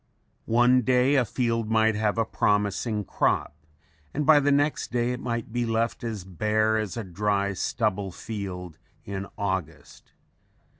One day a field might have a promising crop and by the next day it might be left as bare as a dry stubble field in August.